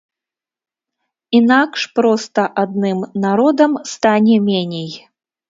Інакш проста адным народам стане меней.